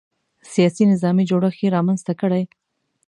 سیاسي نظامي جوړښت یې رامنځته کړی.